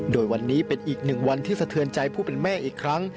โดยวันนี้เป็นอีกหนึ่งวันที่สะเทือนใจผู้เป็นแม่อีกครั้ง